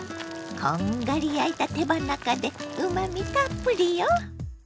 こんがり焼いた手羽中でうまみたっぷりよ。